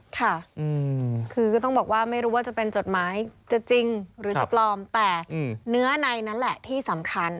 ค่ะคือก็ต้องบอกว่าไม่รู้ว่าจะเป็นจดหมายจะจริงหรือจะปลอมแต่เนื้อในนั้นแหละที่สำคัญ